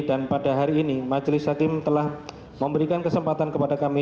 dan pada hari ini majelis hakim telah memberikan kesempatan kepada kami